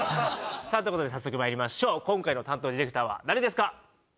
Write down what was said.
さあということで早速まいりましょう今回の担当ディレクターは誰ですか？